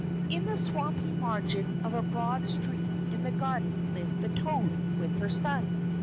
In the swampy margin of a broad stream in the garden lived the toad, with her son.